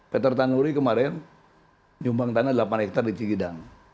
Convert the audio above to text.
peter tanuri kemarin nyumbang tanah delapan hektare di cikidang